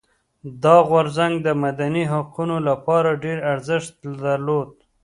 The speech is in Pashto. دا غورځنګ د مدني حقونو لپاره ډېر ارزښت درلود.